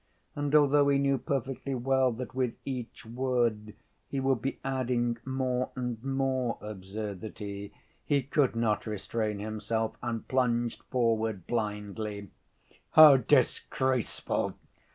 And, though he knew perfectly well that with each word he would be adding more and more absurdity, he could not restrain himself, and plunged forward blindly. "How disgraceful!"